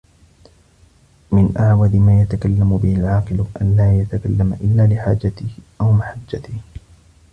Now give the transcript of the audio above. مِنْ أَعْوَذِ مَا يَتَكَلَّمُ بِهِ الْعَاقِلُ أَنْ لَا يَتَكَلَّمَ إلَّا لِحَاجَتِهِ أَوْ مَحَجَّتِهِ